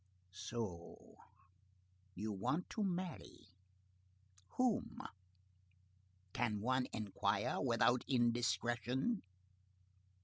So you want to marry? Whom? Can one inquire without indiscretion?"